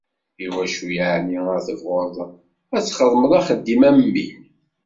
Iwacu yeεni ara tebɣuḍ ad txedmeḍ axeddim am win?